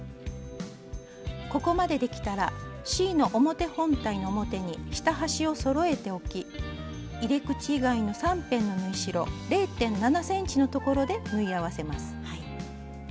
ここまでできたらＣの表本体の表に下端をそろえて置き入れ口以外の３辺の縫い代０．７ｃｍのところで縫い合わせます。